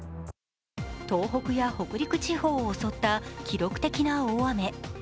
東北や北陸地方を襲った記録的な大雨。